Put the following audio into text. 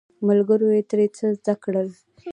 ملګرو یې ترې ډیر څه زده کړل.